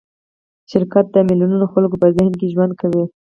شرکت د میلیونونو خلکو په ذهن کې ژوند کوي.